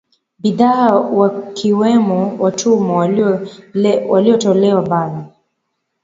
Bidhaa wakiwamo watumwa walitolewa bara